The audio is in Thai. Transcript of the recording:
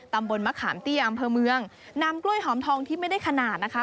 ตำบลมะขามเตี้ยอำเภอเมืองนำกล้วยหอมทองที่ไม่ได้ขนาดนะคะ